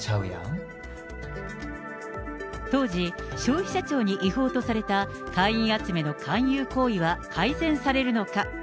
当時、消費者庁に違法とされた会員集めの勧誘行為は改善されるのか。